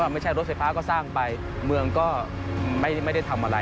ไม่ใช่รถไฟฟ้าก็สร้างไปเมืองก็ไม่ได้ทำอะไร